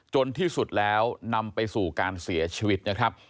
จนที่สุดแล้วนำไปสู่การเสียชีวิตนะครับ